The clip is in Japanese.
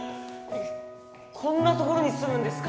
こんなところに住むんですか？